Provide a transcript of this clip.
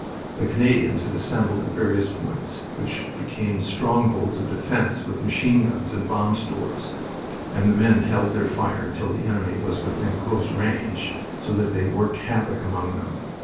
The Canadians had assembled at various points, which became strongholds of defense with machine guns and bomb stores, and the men held their fire until the enemy was within close range, so that they worked havoc among them.